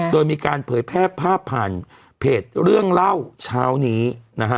โดยมีการเผยแพร่ภาพผ่านเพจเรื่องเล่าเช้านี้นะฮะ